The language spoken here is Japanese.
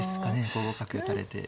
５五角打たれて。